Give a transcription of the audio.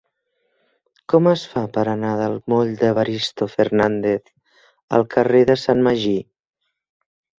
Com es fa per anar del moll d'Evaristo Fernández al carrer de Sant Magí?